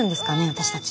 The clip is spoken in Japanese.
私たち。